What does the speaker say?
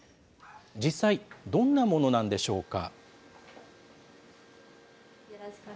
実際、どんなものなんでしょうか。